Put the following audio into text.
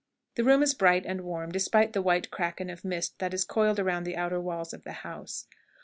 The room is bright and warm, despite the white kraken of mist that is coiled around the outer walls of the house.